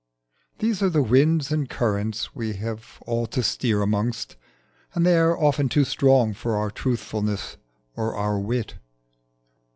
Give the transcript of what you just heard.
These are the winds and currents we have all to steer amongst, and they are often too strong for our truthfulness or our wit.